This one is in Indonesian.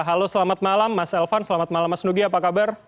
halo selamat malam mas elvan selamat malam mas nugi apa kabar